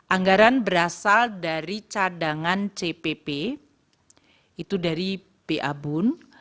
anggaran berasal dari cadangan cpp itu dari babun